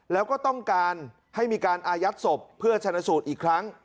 แล้วก็ต้องการให้มีการอายัดศพเพื่อชนะสูตรอีกครั้ง